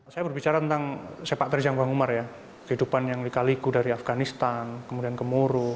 saya berbicara tentang sepak terjang bang umar ya kehidupan yang dikaliku dari afganistan kemudian kemuru